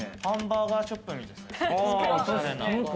ハンバーガーショップみたい。